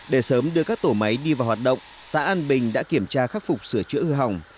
để sớm đưa các tổ máy đi vào hoạt động xã an bình đã kiểm tra khắc phục sinh hoạt